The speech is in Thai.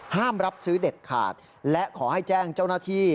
รับซื้อเด็ดขาดและขอให้แจ้งเจ้าหน้าที่